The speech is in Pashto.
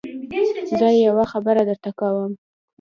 زه يوه خبره درته کوم.